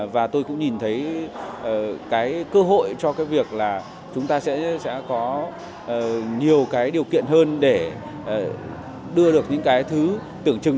và tôi cũng nhìn thấy cái cơ hội cho cái việc là chúng ta sẽ có nhiều cái điều kiện hơn để đưa được những cái thứ tưởng chừng